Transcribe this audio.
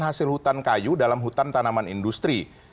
hasil hutan kayu dalam hutan tanaman industri